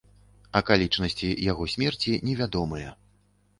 Акалічнасці яго смерці невядомыя.